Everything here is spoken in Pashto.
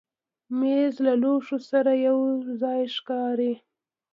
مېز له لوښو سره یو ځای ښکاري.